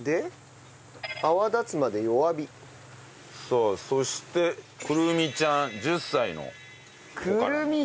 さあそしてくるみちゃん１０歳の子からの。